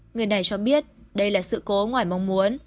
người này cho biết đây là sự cố ngoài mong muốn